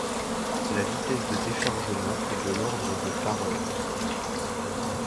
La vitesse de déchargement est de l'ordre de par heure.